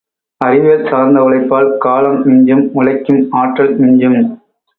அறிவியல் சார்ந்த உழைப்பால் காலம் மிஞ்சும் உழைக்கும் ஆற்றல் மிஞ்சும்.